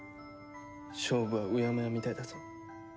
勝負はうやむやみたいだぞ。